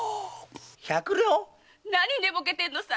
百両⁉何寝ぼけてんのさ